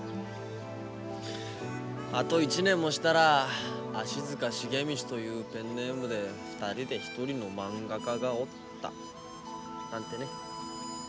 あと１年もしたら足塚茂道というペンネームで２人で１人のまんが家がおったなんてね。